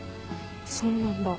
そうなんだ。